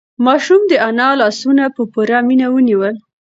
ماشوم د انا لاسونه په پوره مینه ونیول.